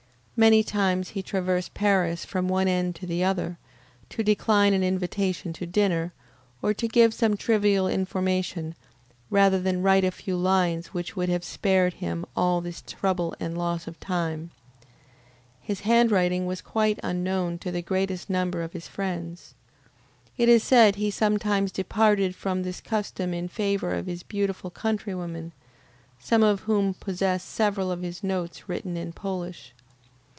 Many times he has traversed Paris from one end to the other, to decline an invitation to dinner, or to give some trivial information, rather than write a few lines which would have spared him all this trouble and loss of time. His handwriting was quite unknown to the greatest number of his friends. It is said he sometimes departed from this custom in favor of his beautiful countrywomen, some of whom possess several of his notes written in Polish.